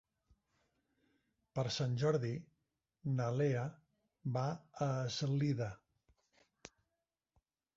Per Sant Jordi na Lea va a Eslida.